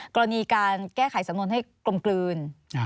กรณีการแก้ไขสำนวนให้กลมกลืน